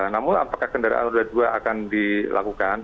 namun apakah kendaraan roda dua akan dilakukan